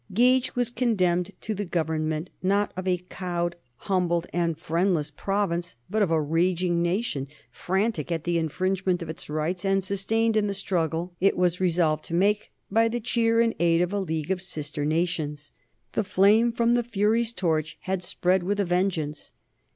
Gage was condemned to the government not of a cowed, humbled, and friendless province, but of a raging nation, frantic at the infringement of its rights, and sustained in the struggle it was resolved to make by the cheer and aid of a league of sister nations. The flame from the Fury's torch had spread with a vengeance.